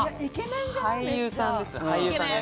俳優さんです。